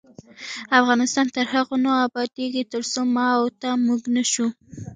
افغانستان تر هغو نه ابادیږي، ترڅو ما او تا "موږ" نشو.